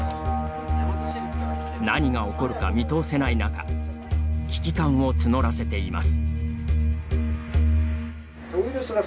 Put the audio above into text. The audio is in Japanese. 何が起こるか見通せない中危機感を募らせています。